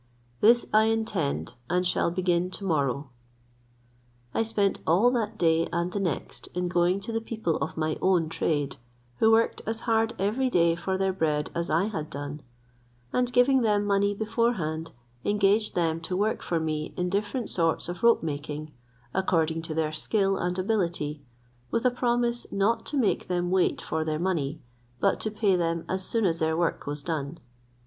This I intend, and shall begin to morrow." I spent all that day and the next in going to the people of my own trade, who worked as hard every day for their bread as I had done; and giving them money beforehand, engaged them to work for me in different sorts of rope making, according to their skill and ability, with a promise not to make them wait for their money, but to pay them as soon as their work was done.